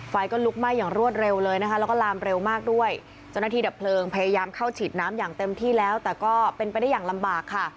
ไฟก็ลุกไหม้อย่างรวดเร็วเลยนะคะแล้วก็ลามเร็วมากด้วยเจ้าหน้าที่ดับเพลิงพยายามเข้าฉีดน้ำอย่างเต็มที่แล้วแต่ก็เป็นไปได้อย่างลำบากค่ะ